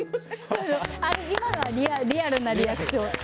今のはリアルなリアクション。